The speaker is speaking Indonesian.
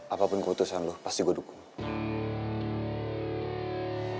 apapun keputusan lo pasti gue dukung